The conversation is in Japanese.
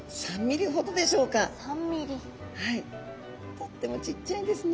とってもちっちゃいんですね。